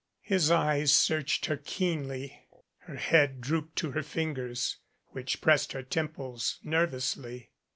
His eyes searched her keenly. Her head drooped to her fingers, which pressed her temples nervously.